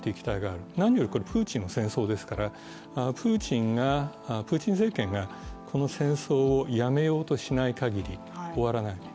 何より、これはプーチンの戦争ですからプーチン政権がこの戦争をやめようとしない限り終わらない。